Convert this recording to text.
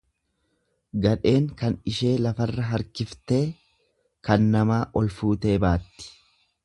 Gadheen kan ishee lafarra harkiftee kan namaa ol fuutee baatti.